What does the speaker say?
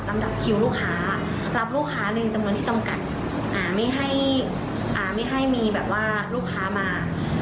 ไม่ให้มีแบบว่าลูกค้ามา